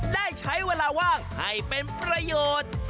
ได้ใช้เวลาว่างให้เป็นประโยชน์